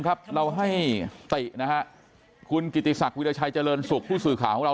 ครับเราให้ตินะฮะคุณกิติศักดิราชัยเจริญสุขผู้สื่อข่าวของเรา